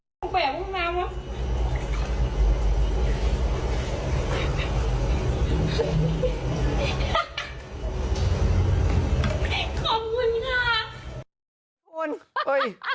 พี่เดี๋ยวเล่าคืนด้วยนะ